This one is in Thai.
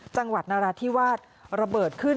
จังหวัดนราธิวาสระเบิดขึ้น